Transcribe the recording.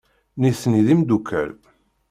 Nitni d imeddukal.